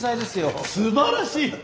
すばらしい。